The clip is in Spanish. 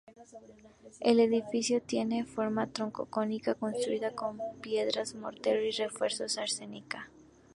El edificio tiene forma troncocónica, construido con piedra mortero y refuerzos de arenisca.